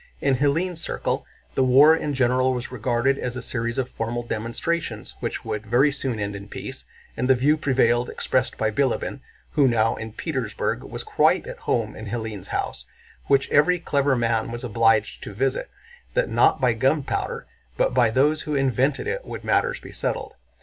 In Hélène's circle the war in general was regarded as a series of formal demonstrations which would very soon end in peace, and the view prevailed expressed by Bilíbin—who now in Petersburg was quite at home in Hélène's house, which every clever man was obliged to visit—that not by gunpowder but by those who invented it would matters be settled.